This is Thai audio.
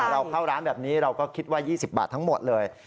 เราเข้าร้านแบบนี้เราก็คิดว่า๒๐บาททั้งหมดเลย